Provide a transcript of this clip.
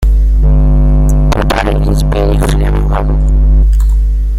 Paper is very flammable.